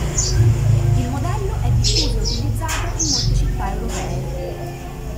Il modello è diffuso e utilizzato in molte città europee.